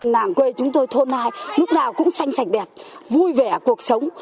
làng quê chúng tôi thôn hai lúc nào cũng xanh sạch đẹp vui vẻ cuộc sống